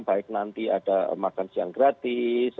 baik nanti ada makan siang gratis